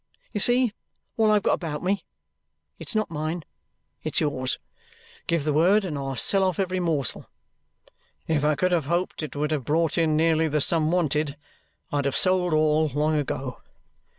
You see all I have got about me. It's not mine; it's yours. Give the word, and I'll sell off every morsel. If I could have hoped it would have brought in nearly the sum wanted, I'd have sold all long ago.